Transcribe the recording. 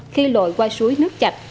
khi lội qua suối nước chạch